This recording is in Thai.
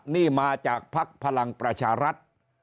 นี่มาจากภักดิ์พลังประชารัฐ